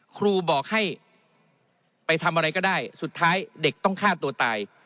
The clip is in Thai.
ครูบอกให้ไปทำอะไรก็ได้สุดท้ายเด็กต้องฆ่าตัวตาย